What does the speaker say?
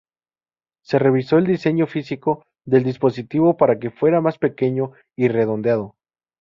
Se revisó el diseño físico del dispositivo para que fuera más pequeño y redondeado.